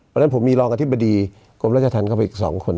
วันนั้นผมมีรองปฏิบัติกรุณรชฌธรรมกับอีก๒คน